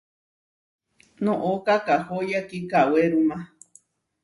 Noʼó kakahóya kikawéruma.